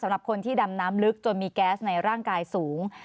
สำหรับคนที่ดำน้ำลึกจนมีแก๊สในร่างกายสูง